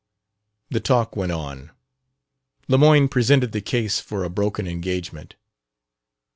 The talk went on. Lemoyne presented the case for a broken engagement.